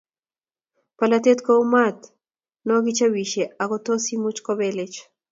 Bolotet kou maat no kichoopisie ak kotos imuch kobelech